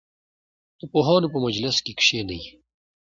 د پوهانو په مجلس کې کښېنئ.